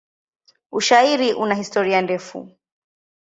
Ushairi una historia ndefu.